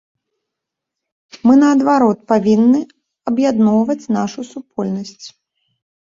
Мы, наадварот, павінны аб'ядноўваць нашу супольнасць.